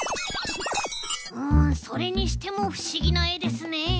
うんそれにしてもふしぎなえですねえ。